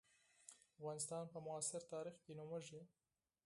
افغانستان په معاصر تاریخ کې نومېږي.